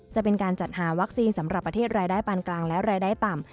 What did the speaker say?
จะเป็นการจัดหาวัคซีนสำหรับประเทศรายได้ปานกลางและรายได้ต่ำ